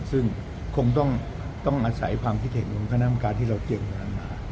ซึ่งคงต้องอาศัยความคิดเห็นของคณะกรรมการที่เราเตรียมงานมา